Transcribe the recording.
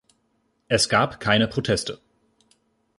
Es gab keine Proteste.